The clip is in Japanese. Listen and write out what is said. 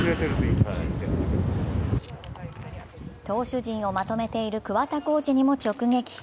投手陣をまとめている桑田コーチにも直撃。